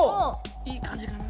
いい感じかな。